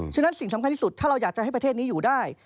ฉะนั้นสิ่งสำคัญที่สุดถ้าเราอยากจะให้ประเทศนี้อยู่ได้